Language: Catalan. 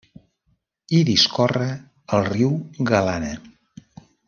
Hi discorre el Riu Galana.